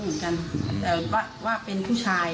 ไม่รู้เหมือนกันแต่ว่าว่าเป็นผู้ชาย